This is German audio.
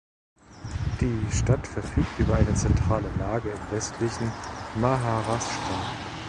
Die Stadt verfügt über eine zentrale Lage im westlichen Maharashtra.